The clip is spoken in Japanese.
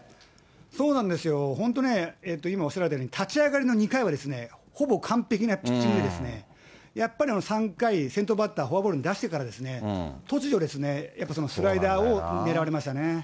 そうなんですよ、本当ね、今おっしゃられたように、立ち上がりの２回はほぼ完璧なピッチングで、やっぱり３回、先頭バッターをフォアボール出してからですね、突如ですね、やっぱスライダーを狙われましたね。